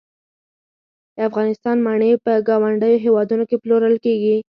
د افغانستان مڼې په ګاونډیو هیوادونو کې پلورل کیږي